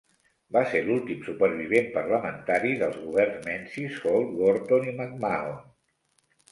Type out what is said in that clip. Va ser l'últim supervivent parlamentari dels governs Menzies, Holt, Gorton i McMahon.